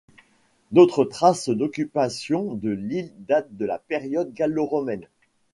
D'autres traces d'occupation de l'île datent de la période gallo-romaine.